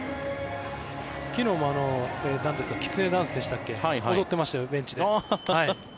昨日もきつねダンスでしたっけ踊ってましたよ、ベンチで。